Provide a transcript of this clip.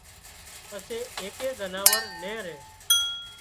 پسي ايڪئي زناور نين ري